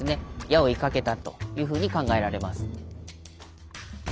矢を射かけたというふうに考えられます。